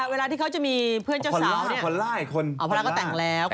เวลาที่เขาจะมีเพื่อนเจ้าสาวเนี่ยภาล่าภาล่าอีกคนอ๋อภาล่าก็แต่งแล้ว